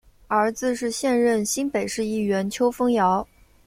儿子是现任新北市议员邱烽尧。